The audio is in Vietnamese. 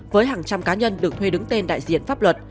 với hàng trăm cá nhân được thuê đứng tên đại diện pháp luật